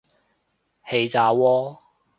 氣炸鍋